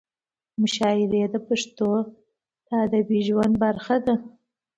مشاعرې د پښتنو د ادبي ژوند برخه ده.